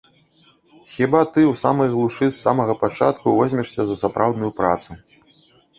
Хіба ты ў самай глушы з самага пачатку возьмешся за сапраўдную працу.